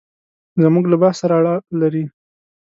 زموږ له بحث سره اړه لري.